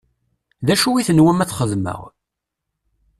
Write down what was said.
D acu i tenwam ad t-xedmeɣ?